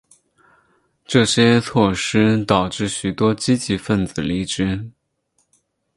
这些措施导致许多积极份子离职。